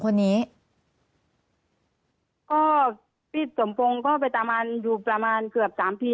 คนนี้ก็พี่สมพงศ์ก็ไปตามอันอยู่ประมาณเกือบสามที